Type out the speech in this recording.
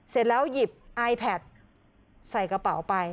เสร็จแล้วหยิบไอแพทใส่กระเป๋าไป